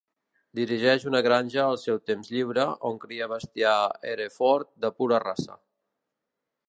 Dirigeix una granja al seu temps lliure on cria bestiar Hereford de pura raça.